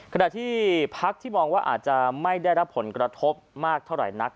ขณะที่พักที่มองว่าอาจจะไม่ได้รับผลกระทบมากเท่าไหร่นัก